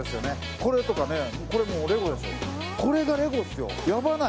これとかねこれがレゴですよ